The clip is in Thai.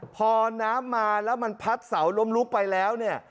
พอน้ำมาแล้วมันพัดเสาล้มลุกไปแล้วเนี่ย